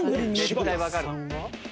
絶対わかる。